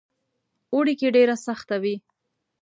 اوړي کې ډېره سخته وي.